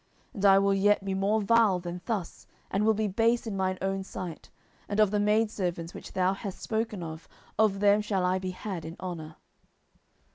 10:006:022 And I will yet be more vile than thus, and will be base in mine own sight: and of the maidservants which thou hast spoken of, of them shall I be had in honour.